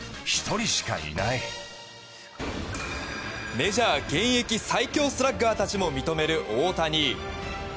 メジャー現役最強スラッガーたちも認める大谷。